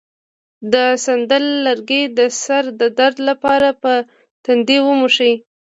د سندل لرګی د سر د درد لپاره په تندي ومښئ